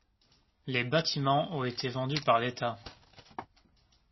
Les bâtiments ont été vendus par l'État.